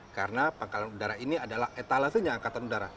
karena pangkalan udara ini adalah etalasenya angkatan udara